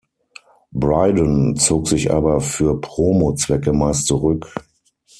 Brydon zog sich aber für Promo-Zwecke meist zurück.